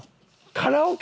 カラオケ？